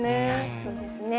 そうですね。